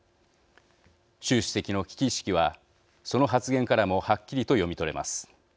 習主席の危機意識はその発言からもはっきりと読み取れます。